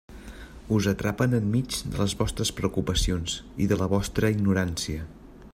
Us atrapen enmig de les vostres preocupacions i de la vostra ignorància.